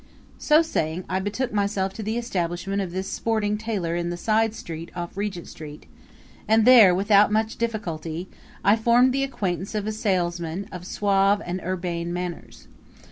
So saying I betook myself to the establishment of this sporting tailor in the side street off Regent Street; and there, without much difficulty, I formed the acquaintance of a salesman of suave and urbane manners.